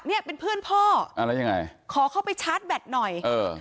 เนี่ยเป็นเพื่อนพ่ออ่าแล้วยังไงขอเข้าไปชาร์จแบตหน่อยเออ